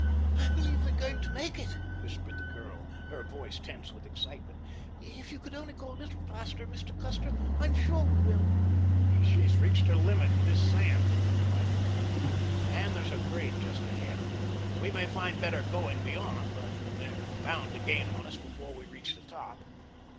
"I believe we are going to make it," whispered the girl, her voice tense with excitement. "If you could only go a little faster, Mr. Custer, I'm sure that we will." "She's reached her limit in this sand," replied the man, "and there's a grade just ahead—we may find better going beyond, but they're bound to gain on us before we reach the top."